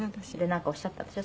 「なんかおっしゃったんでしょ？